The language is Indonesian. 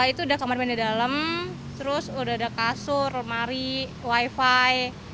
itu udah kamar mandi dalam terus udah ada kasur lemari wifi